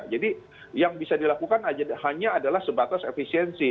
jadi yang bisa dilakukan hanya adalah sebatas efisiensi